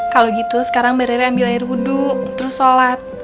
kalo gitu sekarang mbak rere ambil air hudu terus sholat